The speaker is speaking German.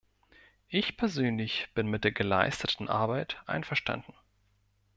Ich persönlich bin mit der geleisteten Arbeit einverstanden.